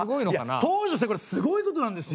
当時としてはこれすごいことなんですよ！